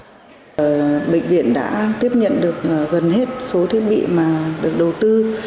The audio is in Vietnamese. bệnh viện đã tiếp nhận được gần hết số thiết bị mà được đầu tư